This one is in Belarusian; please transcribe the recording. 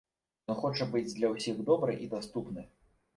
Ён хоча быць для ўсіх добры і даступны.